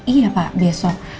iya pak besok